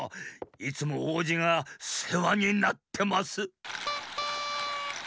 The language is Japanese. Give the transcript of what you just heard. いつもおうじがせわになってます。